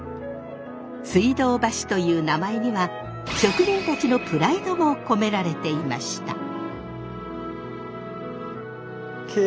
水道橋という名前には職人たちのプライドも込められていました。